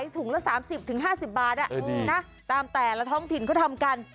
ถุงละ๓๐๕๐บาทตามแต่ละท้องถิ่นเขาทำกัน